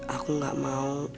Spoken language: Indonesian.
aku gak mau